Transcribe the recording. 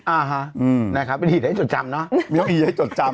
อีให้จดจำเนอะ